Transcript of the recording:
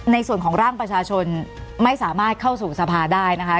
ในส่วนของร่างประชาชนไม่สามารถเข้าสู่สภาได้นะคะ